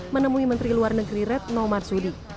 menemui menteri luar negeri ratnaw mar sudi